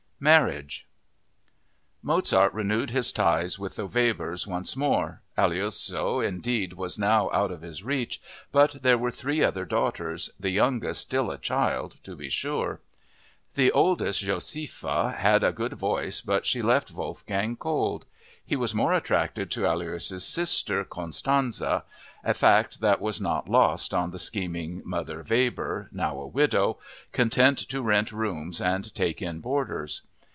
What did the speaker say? Marriage Mozart renewed his ties with the Webers once more. Aloysia, indeed, was now out of his reach, but there were three other daughters, the youngest still a child, to be sure. The oldest, Josepha, had a good voice but she left Wolfgang cold. He was more attracted to Aloysia's sister, Constanze, a fact that was not lost on the scheming Mother Weber, now a widow, content to rent rooms and take in boarders.